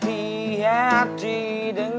terima kasih ten